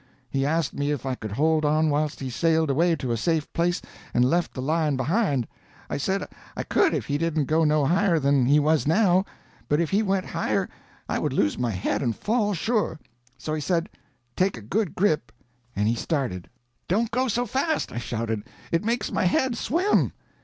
He asked me if I could hold on whilst he sailed away to a safe place and left the lion behind. I said I could if he didn't go no higher than he was now; but if he went higher I would lose my head and fall, sure. So he said, "Take a good grip," and he started. "Don't go so fast," I shouted. "It makes my head swim."